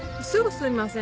「すみません」